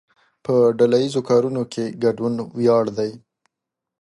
په ډله ایزو کارونو کې ګډون ویاړ دی.